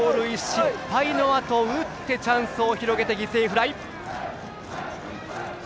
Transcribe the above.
失敗のあと打って、チャンスを広げて犠牲フライ。